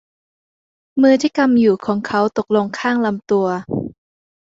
มือที่กำอยู่ของเขาตกลงข้างลำตัว